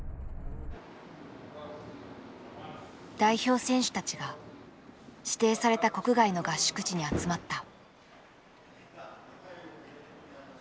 代表選手たちが指定された国外の合宿地に集まった。